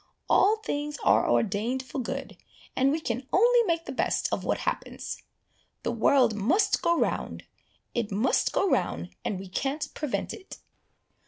All things are ordained for good, and we can only make the best of what happens. The world must go round, it must go round, and we can't prevent it."